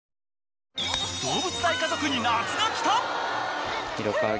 動物大家族に夏が来た！